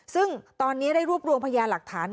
ซึ่งตอนนี้ได้รวบรวมพยานหลักฐาน